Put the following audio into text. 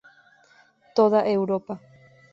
Toda Europa.